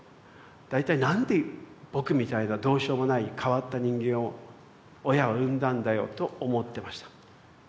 大体なんで僕みたいなどうしようもない変わった人間を親は産んだんだよと思ってました。